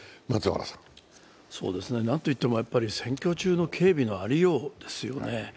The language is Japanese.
何といっても選挙中の警備のありようですよね。